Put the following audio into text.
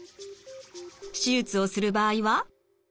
手術をする場合は？